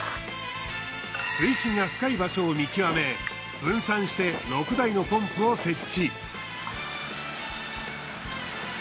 水深が深い場所を見極め分散して６台のポンプを設置。